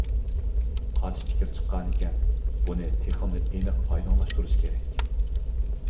قارشى پىكىر چىققانىكەن، بۇنى تېخىمۇ ئېنىق ئايدىڭلاشتۇرۇش كېرەك.